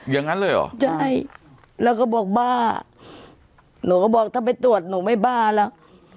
อย่างนั้นเลยเหรอใช่แล้วก็บอกบ้าหนูก็บอกถ้าไปตรวจหนูไม่บ้าแล้ว